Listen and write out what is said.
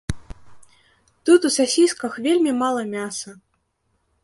Тут у сасісках вельмі мала мяса.